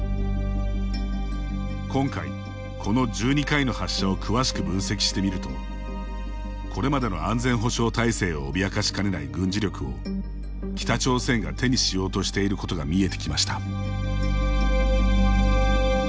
今回、この１２回の発射を詳しく分析してみるとこれまでの安全保障体制を脅かしかねない軍事力を北朝鮮が手にしようとしていることが見えてきました。